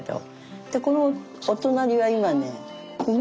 でこのお隣は今ね